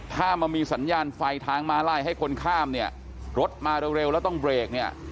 ถ้ามันมีสัญญาณไฟทางมาลัยให้คนข้ามเนี่ยรถมาเร็วแล้วต้องเบรกเนี่ย